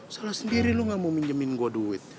salah sendiri lu gak mau minjemin gue duit